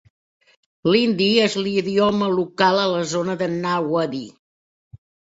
L'hindi és l'idioma local a la zona de Nawadih.